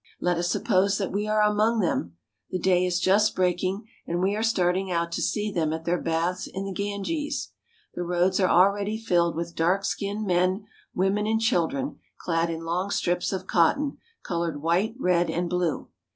Let us suppose that we are among them. The day is just breaking, and we are starting out to see them at their baths in the Ganges. The roads are already filled with dark skinned men, women, and chil dren clad in long strips of cotton, colored white, red, and blue.